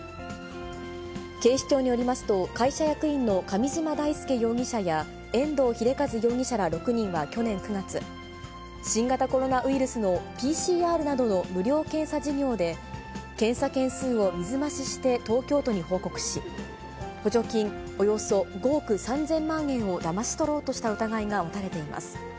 警視庁によりますと、会社役員の上嶋大輔容疑者や、遠藤英和容疑者ら６人は去年９月、新型コロナウイルスのＰＣＲなどの無料検査事業で、検査件数を水増しして東京都に報告し、補助金およそ５億３０００万円をだまし取ろうとした疑いが持たれています。